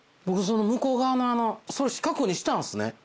僕その向こう側のそれ四角にしたんすね。